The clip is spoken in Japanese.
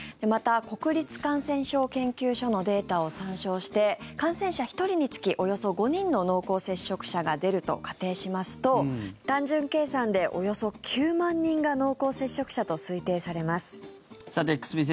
また、国立感染症研究所のデータを参照して感染者１人につきおよそ５人の濃厚接触者が出ると仮定しますと、単純計算でおよそ９万人が濃厚接触者と推定されます。